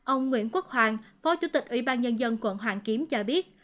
ông nguyễn quốc hoàng phó chủ tịch ủy ban nhân dân quận hoàn kiếm cho biết